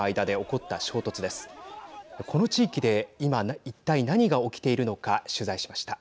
この地域で今、一体何が起きているのか取材しました。